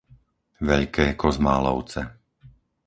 Veľké Kozmálovce